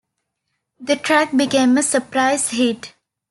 The track became a surprise hit.